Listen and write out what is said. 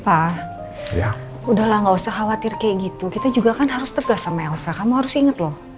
udahlah nggak usah khawatir kayak gitu kita juga kan harus tegas sama elsa kamu harus ingat loh